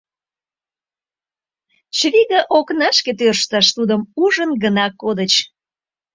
Чывиге окнашке тӧрштыш, — тудым ужын гына кодыч.